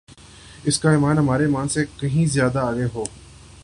اس کا ایمان ہمارے ایمان سے کہین زیادہ آگے ہو